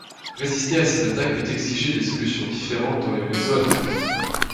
Résister à ces attaques peut exiger des solutions différentes dans les réseaux anonymes.